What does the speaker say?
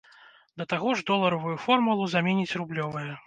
Да таго ж, доларавую формулу заменіць рублёвая.